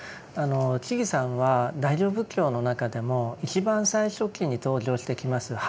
智さんは大乗仏教の中でも一番最初期に登場してきます「般若経典」